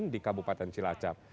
di kabupaten cilacap